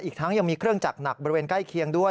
อีกทั้งยังมีเครื่องจักรหนักบริเวณใกล้เคียงด้วย